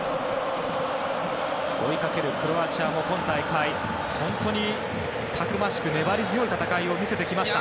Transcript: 追いかけるクロアチアも今大会、本当にたくましく粘り強い戦いを見せてくれました。